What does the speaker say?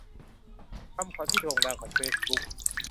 คำขวัญที่โด่งดังของเฟซบุ๊ก